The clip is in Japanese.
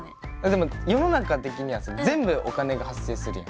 でも世の中的にはさ全部お金が発生するじゃん。